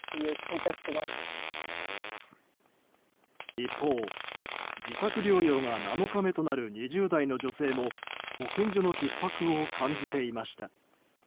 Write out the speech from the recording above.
一方、自宅療養が７日目となる２０代の女性も保健所のひっ迫を感じていました。